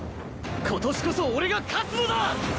今年こそ俺が勝つのだ！